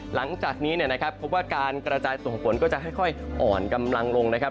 หลังจากนี้เนี่ยนะครับพบว่าการกระจายตัวของฝนก็จะค่อยอ่อนกำลังลงนะครับ